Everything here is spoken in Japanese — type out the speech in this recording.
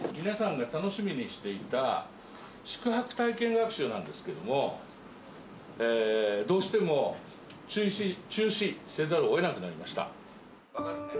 皆さんが楽しみにしていた宿泊体験学習なんですけども、どうしても中止せざるをえなくなりました。